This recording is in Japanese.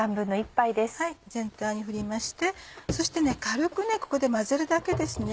全体にふりましてそして軽くここで混ぜるだけですね。